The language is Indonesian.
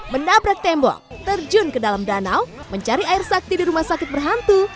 menabrak tembok terjun ke dalam danau mencari air sakti di rumah sakit berhantu